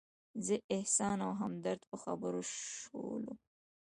زه، احسان او همدرد په خبرو شولو.